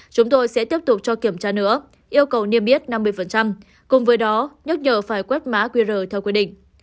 chúng tôi sẽ tiếp tục cho kiểm tra nữa yêu cầu niêm biết năm mươi cùng với đó nhắc nhở phải quét má quy rờ theo quy định